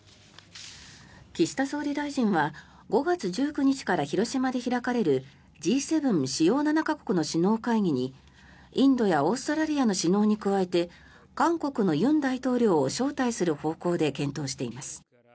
岸田総理大臣は５月１９日から広島で開かれるＧ７・主要７か国の首脳会議にインドやオーストラリアの首脳に加えて韓国の尹大統領を招待する方向で検討しています。